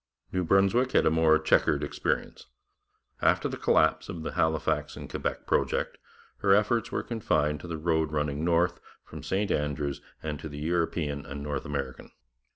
New Brunswick had a more chequered experience. After the collapse of the Halifax and Quebec project, her efforts were confined to the road running north from St Andrews and to the European and North American.